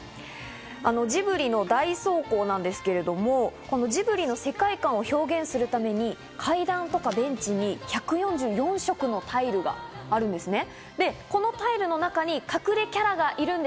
ジブリの大倉庫なんですけれども、ジブリの世界観を表現するために階段とか、ベンチに１４４色のタイルがあるんですね。